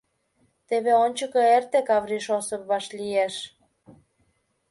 Теве ончыко эрте, — Кавриш Осып вашлиеш.